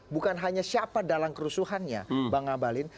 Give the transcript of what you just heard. bukan hanya siapa dalam kerusuhannya bang ngabalin